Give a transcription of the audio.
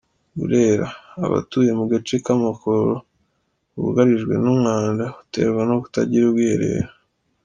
Burera: Abatuye mu gace k’amakoro bugarijwe n’umwanda uterwa no kutagira ubwiherero.